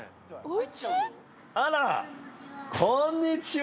あらこんにちは。